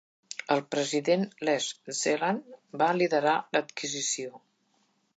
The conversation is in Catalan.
El president Les Zellan va liderar l'adquisició.